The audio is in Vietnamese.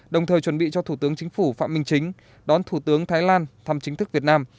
đồng thời chuẩn bị cho thủ tướng chính phủ phạm minh chính đón thủ tướng thái lan thăm chính thức việt nam